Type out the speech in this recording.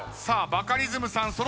さあバカリズムさん